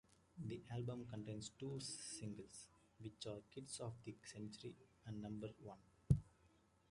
The album contains two singles, which are "Kids of the Century" and "Number One".